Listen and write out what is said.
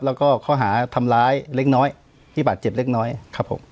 แล้วก็ข้อหาทำร้ายเล็กน้อยที่บาดเจ็บเล็กน้อยครับผม